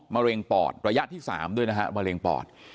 มะเร็งปอดระยะที่๓ด้วยนะฮะมะเร็งปอด